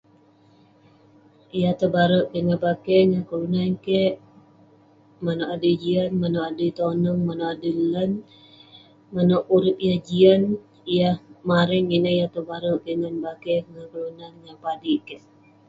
Yah tebare kek ngan bakeh, ngan kelunan kek ; manouk adui jian, manouk adui toneng, manouk adui lan, manouk urip yah jian, yah mareng. Ineh yah tebare kek ngan bakeh, ngan kelunan, ngan padik kek.